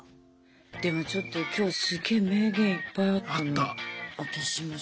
でもちょっと今日すげぇ名言いっぱいあったね。